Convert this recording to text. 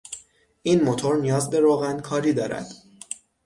این موتور نیاز به روغن کاری دارد.